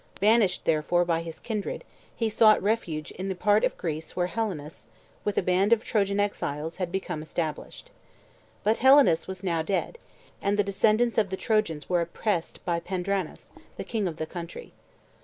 Banished therefor by his kindred, he sought refuge in that part of Greece where Helenus, with a band of Trojan exiles, had become established. But Helenus was now dead and the descendants of the Trojans were oppressed by Pandrasus, the king of the country.